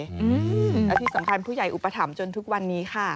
และที่สำคัญผู้ใหญ่อุปถัมภ์จนทุกวันนี้ค่ะ